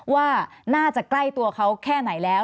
ว่าน่าจะใกล้ตัวเขาแค่ไหนแล้ว